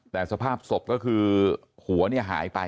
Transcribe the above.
แต่สภาพศพก็คือหัวหายไป